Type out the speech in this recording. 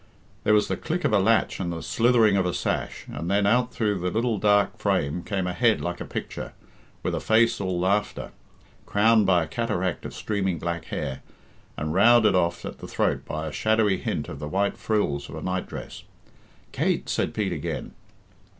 There was the click of a latch and the slithering of a sash, and then out through the little dark frame came a head like a picture, with a face all laughter, crowned by a cataract of streaming black hair, and rounded off at the throat by a shadowy hint of the white frills of a night dress. "Kate," said Pete again.